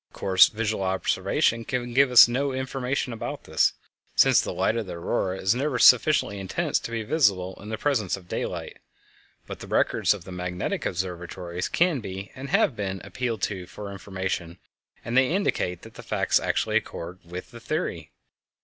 Of course visual observation can give us no information about this, since the light of the Aurora is never sufficiently intense to be visible in the presence of daylight, but the records of the magnetic observatories can be, and have been, appealed to for information, and they indicate that the facts actually accord with the theory.